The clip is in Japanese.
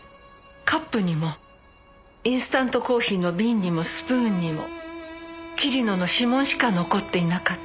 カップにもインスタントコーヒーの瓶にもスプーンにも桐野の指紋しか残っていなかったと聞いたわ。